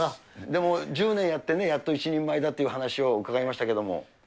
でも、１０年やって、やっと一人前だという話を伺いましたけれども。